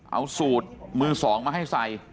เอาสูตรมือสองมาให้ใส่